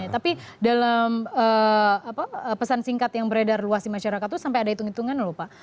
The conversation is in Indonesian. tapi dalam pesan singkat yang beredar luas di masyarakat itu sampai ada hitung hitungan lho pak